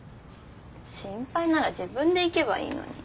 心配なら自分で行けばいいのに。